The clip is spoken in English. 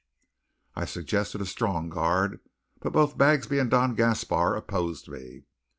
I suggested a strong guard, but both Bagsby and Don Gaspar opposed me.